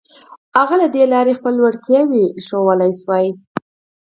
هغه له دې لارې خپله وړتيا ښوولای شوه.